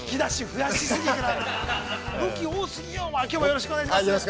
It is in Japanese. ◆よろしくお願いします。